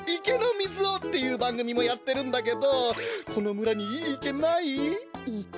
池の水を！」っていうばんぐみもやってるんだけどこのむらにいいいけない？